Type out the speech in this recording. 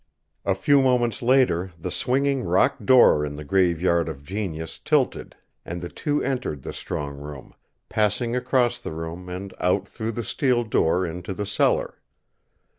A few moments later the swinging rock door in the Graveyard of Genius tilted and the two entered the strong room, passing across the room and out through the steel door into the cellar.